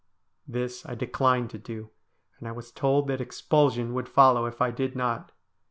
This I declined to do, and I was told that expulsion would follow if I did not.